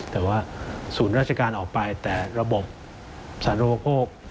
แต่ว่าศูนย์ราชการออกไปแต่ระบบสาธุโภค